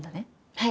はい。